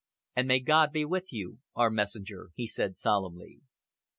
"And may God be with you, our messenger," he said solemnly.